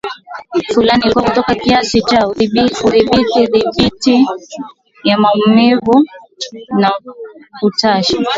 fulani ili kutoa kiasi cha udhibiti dhiti ya maumivu na utashi